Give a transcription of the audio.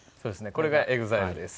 これがＥＸＩＬＥです。